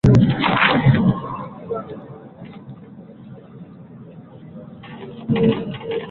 kumtegua balozi wa ufaransa nchini cote de voire